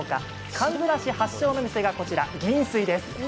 かんざらし発祥の店がこちら銀水です。